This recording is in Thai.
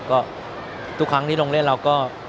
ก็ทุกครั้งที่ลงเล่นเราก็